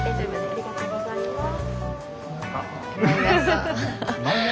ありがとうございます。